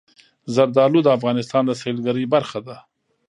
زردالو د افغانستان د سیلګرۍ برخه ده.